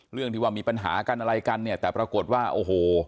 เรื่องที่ว่ามีปัญหากันอะไรกันเนี่ยแต่ปรากฏว่าโอ้โห